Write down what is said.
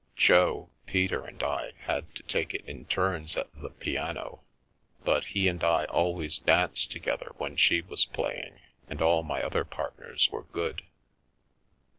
Jo, Peter and I had to take it in turns at the piano, but he and I always danced together when she was playing, and all my other partners were good.